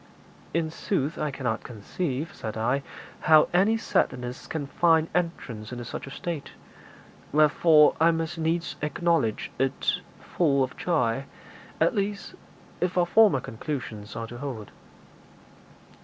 'In sooth, I cannot conceive,' said I, 'how any sadness can find entrance into such a state; wherefore I must needs acknowledge it full of joy at least, if our former conclusions are to hold.'